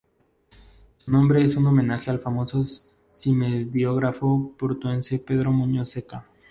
Su nombre es un homenaje al famoso comediógrafo portuense Pedro Muñoz Seca.